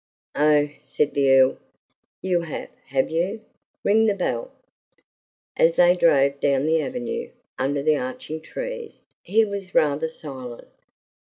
"Oh!" said the Earl. "You have, have you? Ring the bell." As they drove down the avenue, under the arching trees, he was rather silent.